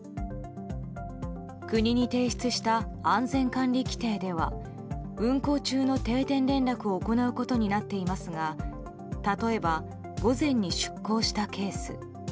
国に提出した安全管理規程では運行中の定点連絡を行うことになっていますが例えば、午前に出航したケース。